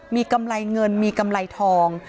มีกำไรเงินมีกำไรทอง